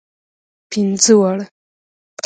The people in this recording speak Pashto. پنځه واړه.